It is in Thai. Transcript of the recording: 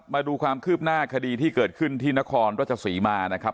มาดูความคืบหน้าคดีที่เกิดขึ้นที่นครราชศรีมานะครับ